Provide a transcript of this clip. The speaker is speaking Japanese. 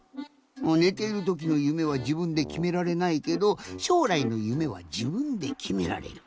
ねてるときの夢はじぶんできめられないけどしょうらいの夢はじぶんできめられる。